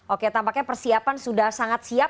oke tampaknya persiapan sudah sangat siap